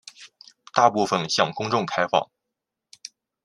大部分向公众开放。